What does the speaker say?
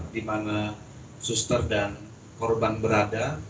dimana suster dan korban berada